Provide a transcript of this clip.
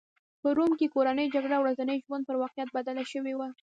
په روم کې کورنۍ جګړه ورځني ژوند پر واقعیت بدله شوې وه